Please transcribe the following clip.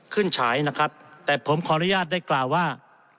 ฉายนะครับแต่ผมขออนุญาตได้กล่าวว่า